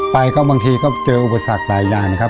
ไปก็บางทีก็เจออุปสรรคหลายอย่างนะครับ